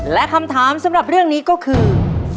และคำถามสำหรับเรื่องนี้ก็คือ